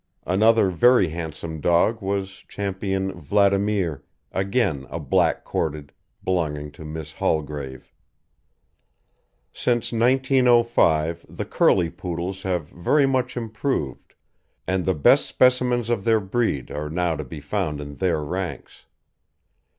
Another very handsome dog was Ch. Vladimir, again a black corded, belonging to Miss Haulgrave. Since 1905 the curly Poodles have very much improved, and the best specimens of the breed are now to be found in their ranks.